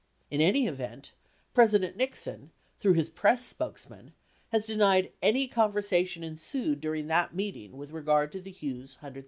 In any event, President Nixon, through his press spokesman, has denied any conversation ensued during that meeting with regard to the Hughes $100,000.